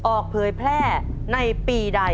เผยแพร่ในปีใด